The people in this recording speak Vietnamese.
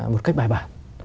một cách bài bản